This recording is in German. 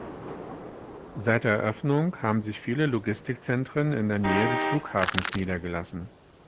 Seit der Eröffnung haben sich viele Logistikzentren in der Nähe des Flughafens niedergelassen.